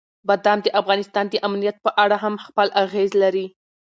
بادام د افغانستان د امنیت په اړه هم خپل اغېز لري.